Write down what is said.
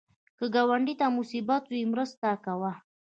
که ګاونډي ته مصیبت وي، مرسته کوه